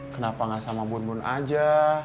kenapa gak sama bun bun aja